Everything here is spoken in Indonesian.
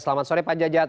selamat sore pak jajat